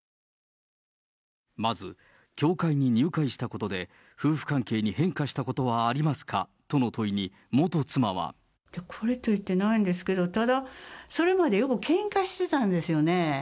まず教会に入信したことで、夫婦関係に変化したことはありまこれといってないんですけど、ただ、それまでよくけんかしてたんですよね。